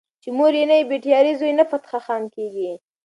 چې مور یې نه وي بټيارۍ زوی يې نه فتح خان کيږي